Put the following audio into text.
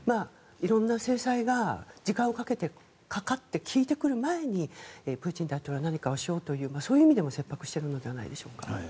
色んな制裁が時間をかけてかかって効いてくる前にプーチン大統領は何かをしようというそういう意味でも切迫しているのではないでしょうか。